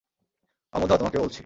আমুধা, তোমাকেও বলছি।